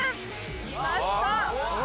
きました。